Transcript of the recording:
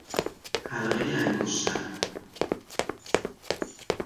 حلقۀ انگشتر